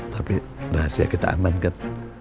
tapi rahasia kita aman kan